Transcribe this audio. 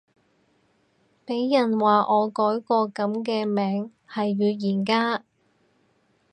俾人話我改個噉嘅名係預言家